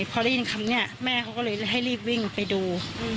พอได้ยินคำนี้แม่เขาก็เลยให้รีบวิ่งไปดู